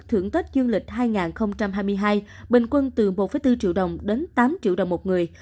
thưởng tết dương lịch hai nghìn hai mươi hai bình quân từ một bốn triệu đồng đến tám triệu đồng một người